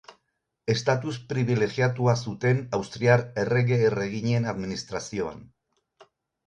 Estatus pribilegiatua zuten austriar errege-erreginen administrazioan.